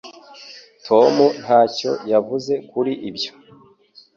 Tom ntacyo yavuze kuri ibyo